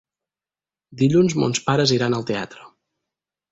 Dilluns mons pares iran al teatre.